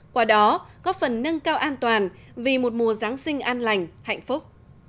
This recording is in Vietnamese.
qua đó góp phần nâng cao an toàn vì một mùa giáng sinh an lành hạnh phúc